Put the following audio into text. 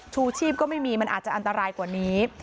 ชูชีพก็ไม่มีมันอาจจะอันตรายกว่านี้